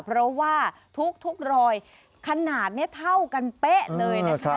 เพราะว่าทุกรอยขนาดนี้เท่ากันเป๊ะเลยนะคะ